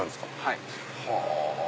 はい。